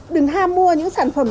đừng ham mua những sản phẩm